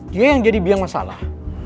dia yang jadi biang masalah